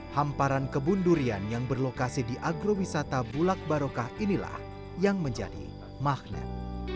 hamparan kebun durian yang berlokasi di agrowisata bulak barokah inilah yang menjadi magnet